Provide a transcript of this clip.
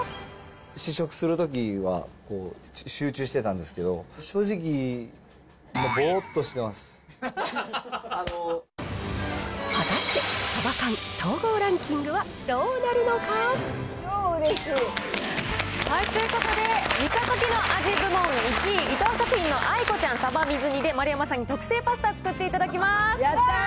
試食するときは集中してたんですけど、正直、果たして、サバ缶総合ランキングはどうなるのか。ということで、煮たときの味部門１位、伊藤食品のあいこちゃん鯖水煮で、丸山さん特製パスタを作っていやったー！